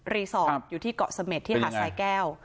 รีสอร์ทอยู่ที่เกาะเสม็ดที่หาดสายแก้ว